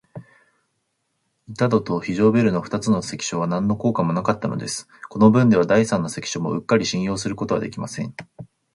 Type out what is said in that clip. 板戸と非常ベルの二つの関所は、なんの効果もなかったのです。このぶんでは、第三の関所もうっかり信用することはできません。